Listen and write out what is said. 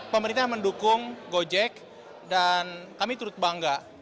pemerintah mendukung gojek dan kami turut bangga